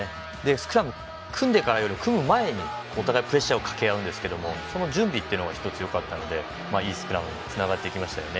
スクラム組んでからより組む前にお互いプレッシャーを掛け合うんですけど準備が１つよかったのでいいスクラムにつながっていきましたね。